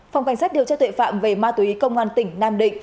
phòng cảnh sát điều tra tuệ phạm về ma túy công an tỉnh nam định